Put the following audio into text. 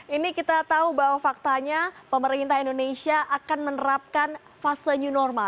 ini kita tahu bahwa faktanya pemerintah indonesia akan menerapkan fase new normal